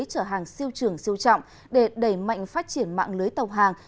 trở hàng siêu trưởng siêu trọng để đẩy mạnh phát triển mạng lưới tàu hàng